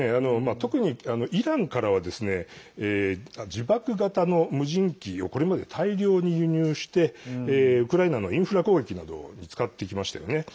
特にイランからは自爆型の無人機をこれまで大量に輸入してウクライナのインフラ攻撃などに使ってきましたよね。